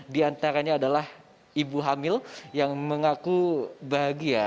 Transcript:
di antaranya adalah ibu hamil yang mengaku bahagia